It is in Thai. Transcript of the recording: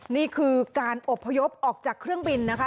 นี่คือการอบพยพออกจากเครื่องบินนะคะ